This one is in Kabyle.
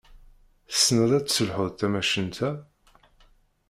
Tessneḍ ad tesselḥuḍ tamacint-a?